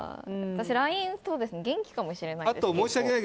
私、ＬＩＮＥ元気かもしれない。